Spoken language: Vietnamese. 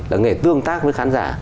là nghề tương tác với khán giả